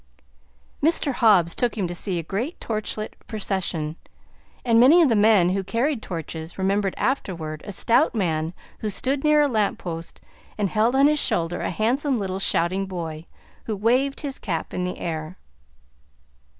Mr. Hobbs took him to see a great torchlight procession, and many of the men who carried torches remembered afterward a stout man who stood near a lamp post and held on his shoulder a handsome little shouting boy, who waved his cap in the air.